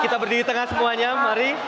kita berdiri tengah semuanya mari